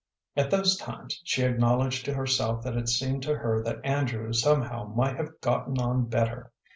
At those times she acknowledged to herself that it seemed to her that Andrew somehow might have gotten on better.